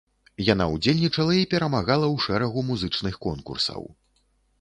Яна ўдзельнічала і перамагала ў шэрагу музычных конкурсаў.